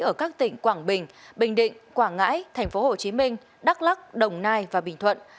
ở các tỉnh quảng bình bình định quảng ngãi tp hcm đắk lắc đồng nai và bình thuận